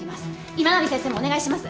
今成先生もお願いします。